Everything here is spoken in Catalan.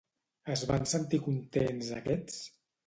Es van sentir contents aquests?